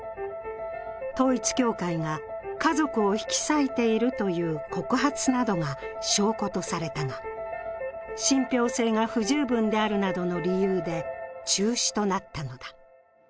統一教会が家族を引き裂いているという告発などが証拠とされたが、信ぴょう性が不十分であるなどの理由で中止となったのだ。